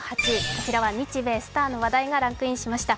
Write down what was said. こちらは日米スターの話題がランクインしました。